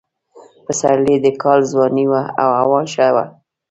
پسرلی د کال ځواني وه او هوا ښه وه.